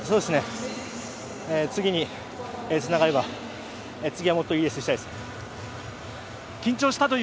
次につながれば次はもっといいレースをしたいです。